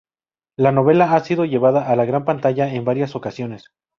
La novela ha sido llevada a la gran pantalla en varias ocasiones.